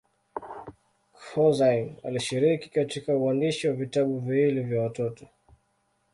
Couzyn alishiriki katika uandishi wa vitabu viwili vya watoto.